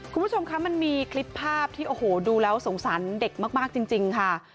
คุณผู้ชมคะมันมีคลิปภาพที่โอ้โหดูแล้วสงสารเด็กมากจริงค่ะ